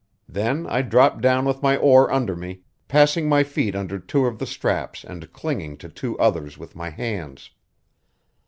Then I dropped down with my oar under me, passing my feet under two of the straps and clinging to two others with my hands.